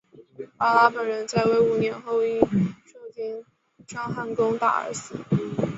八剌本人在位五年后因受金帐汗攻打而死。